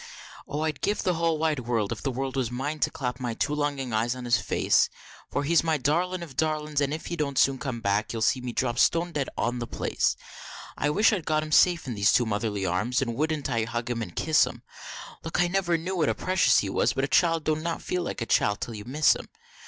Oh I'd give the whole wide world, if the world was mine, to clap my two longin eyes on his face, For he's my darlin of darlins, and if he don't soon come back, you'll see me drop stone dead on the place. I only wish I'd got him safe in these two Motherly arms, and wouldn't I hug him and kiss him! Lauk! I never knew what a precious he was but a child don't not feel like a child till you miss him.